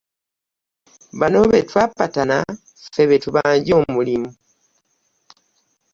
Bano be twapatana ffe be tubanja omulimu.